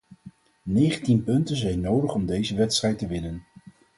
Negentien punten zijn nodig om deze wedstrijd te winnen.